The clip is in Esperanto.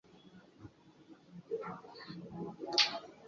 Li eskapis al Transilvanio, sed la habsburgaj aŭtoritatoj forpelis lin.